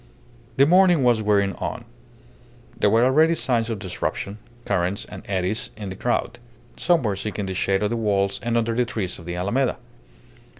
The morning was wearing on; there were already signs of disruption, currents and eddies in the crowd. Some were seeking the shade of the walls and under the trees of the Alameda.